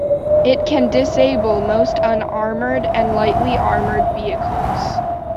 It can disable most unarmored and lightly armored vehicles.